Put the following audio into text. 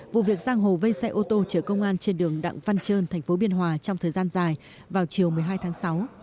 vụ việc giang hồ vây xe ô tô chở công an trên đường đặng văn trơn tp biên hòa trong thời gian dài vào chiều một mươi hai tháng sáu